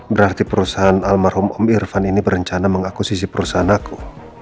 berarti perusahaan almarhum om irfan ini berencana mengakusisi perusahaan aku